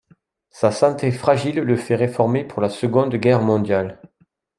Sa santé fragile le fait réformer pour la Seconde Guerre mondiale.